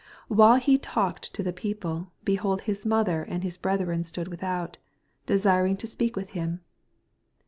46 While yet he talked to the people, behold. Ma mother and his brethren stood without, desiring to speak with him.